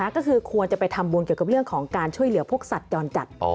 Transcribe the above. ก็คือควรจะไปทำบุญเกี่ยวกับเรื่องของการช่วยเหลือพวกสัตว์จรจัด